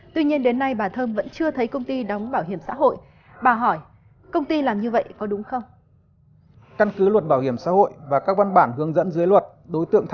tuy nhiên đến nay bà thơm vẫn chưa thấy công ty đóng bảo hiểm xã hội